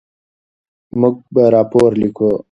موږ به راپور لیکو.